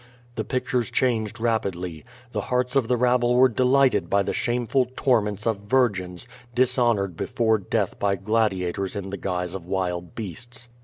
The pictures changed rapidly. The hearts of the rabble were deliglited by the shameful torments of virgins, dishonored before death by gladiators in the guise of wild beasts.